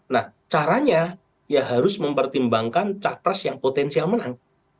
nah caranya ya harus mempertimbangkan capres yang potensial menang